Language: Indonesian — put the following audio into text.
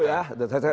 sudah dulu ya